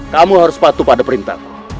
kamu harus patuh pada perintah